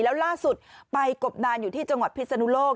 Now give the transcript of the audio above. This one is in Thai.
แล้วล่าสุดไปกบดานอยู่ที่จังหวัดพิศนุโลก